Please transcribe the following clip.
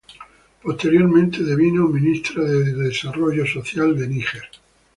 Posteriormente, devino Ministra de Desarrollo Social de Níger.